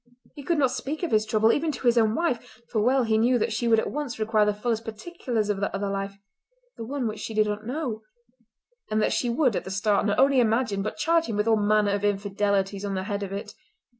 He could not speak of his trouble even to his own wife, for well he knew that she would at once require the fullest particulars of that other life—the one which she did not know; and that she would at the start not only imagine but charge him with all manner of infidelities on the head of it.